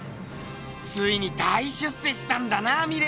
ついに大出世したんだなミレーちゃん。